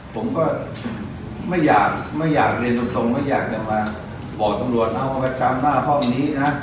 ผมก็ไม่อยากเรียนตรงไม่อยากจะมาบอกตำรวจนะว่ามันกลับมาห้อมนี้นะ